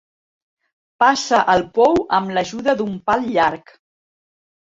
Passa el pou amb l'ajuda d'un pal llarg.